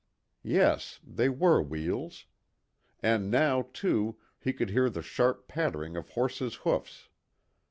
Yes, they were wheels. And now, too, he could hear the sharp pattering of horses' hoofs.